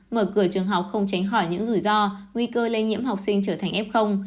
mở cửa trường học không tránh khỏi những rủi ro nguy cơ lây nhiễm học sinh trở thành f